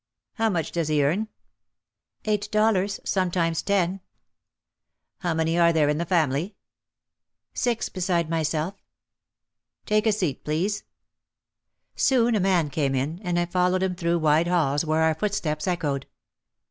" "How much does he earn ?" "Eight dollars, sometimes ten." "How many are there in the family ?" "Six beside myself." "Take a seat, please." Soon a man came and I followed him through wide halls where our footsteps echoed.